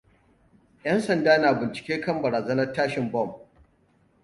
Ƴansanda na bincike kan barazanar tashin bom.